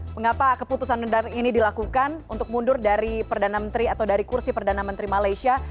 mengapa keputusan ini dilakukan untuk mundur dari perdana menteri atau dari kursi perdana menteri malaysia